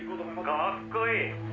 「かっこいい！」